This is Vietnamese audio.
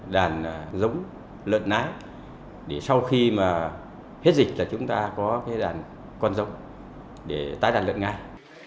đàn giống lợn nái để sau khi mà hết dịch là chúng ta có cái đàn con giống để tái đàn lợn ngay